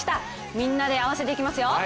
みんなで合わせていきますよ。